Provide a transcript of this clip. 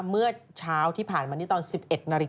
เมื่อเช้าที่ผ่านมาตอน๑๑๐๐น